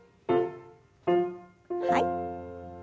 はい。